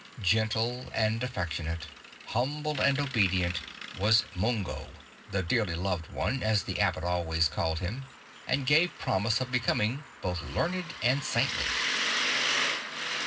Gentle and affectionate, humble and obedient, was Mungho — the "dearly loved one," as the Ab bot always called him — and gave promise of becoming both learned and saintly.